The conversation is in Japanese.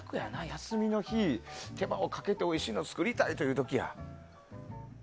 休みの日、手間をかけておいしいの作りたいって時や。